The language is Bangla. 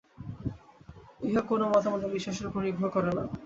ইহা কোন মতামত বা বিশ্বাসের উপর নির্ভর করে না।